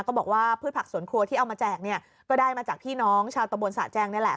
บอกว่าพืชผักสวนครัวที่เอามาแจกเนี่ยก็ได้มาจากพี่น้องชาวตะบนสะแจงนี่แหละ